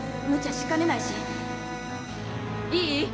無茶しかねないしいい？